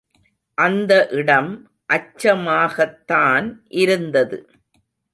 அந்த இடம் அச்சமாகத்தான் இருந்தது.